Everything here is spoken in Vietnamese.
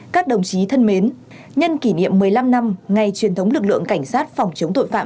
các đồng chí thân mến nhân kỷ niệm một mươi năm năm ngày truyền thống lực lượng cảnh sát phòng chống tội phạm